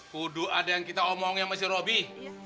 kudu ada yang kita omongin sama si robby